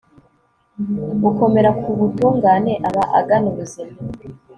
ukomera ku butungane aba agana ubuzima